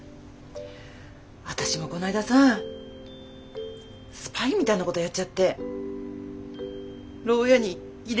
私もこないださスパイみたいなことやっちゃってろう屋に入れられてたのよ。